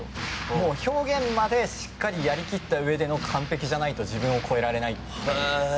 もう表現までしっかりやりきったうえでの完璧じゃないと自分を超えられない。